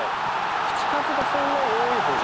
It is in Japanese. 口数がそんなに多いほうじゃない。